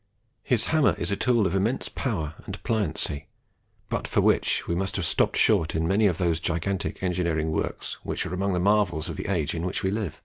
His hammer is a tool of immense power and pliancy, but for which we must have stopped short in many of those gigantic engineering works which are among the marvels of the age we live in.